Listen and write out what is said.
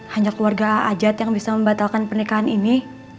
hanya keluarga ajat yang bisa membatalkan pernikahan ini